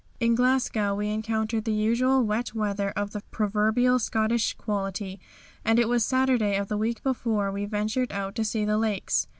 In Glasgow we encountered the usual wet weather of the proverbial Scottish quality, and it was Saturday of the week before we ventured out to see the Lakes.